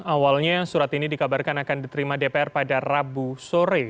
awalnya surat ini dikabarkan akan diterima dpr pada rabu sore